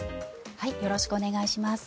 よろしくお願いします。